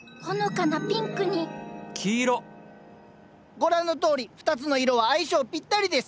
ご覧のとおり２つの色は相性ぴったりです。